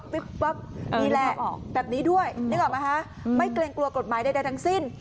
นี่แหละแบบนี้ด้วยนึกออกไหมคะไม่เกรงกลัวกฎหมายใดทั้งสิ้น